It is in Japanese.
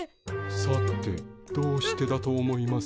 さてどうしてだと思いますか？